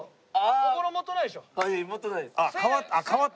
心もとないです。